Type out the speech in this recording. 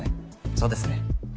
そうですね。